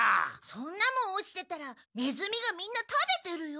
そんなもん落ちてたらネズミがみんな食べてるよ。